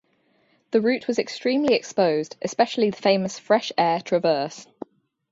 The route was extremely exposed, especially the famous Fresh Air Traverse.